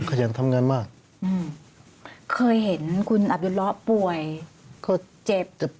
ขยันทำงานมากอืมเคยเห็นคุณอับยุตรล้อป่วยเจ็บแต่